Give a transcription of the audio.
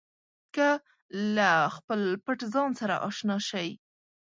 که له خپل پټ ځان سره اشنا شئ.